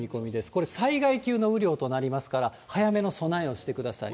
これ災害級の雨量となりますから、早めの備えをしてください。